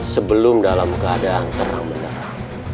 sebelum dalam keadaan terang bendera